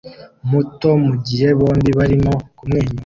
muto mugihe bombi barimo kumwenyura